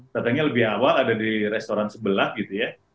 datangnya lebih awal ada di restoran sebelah gitu ya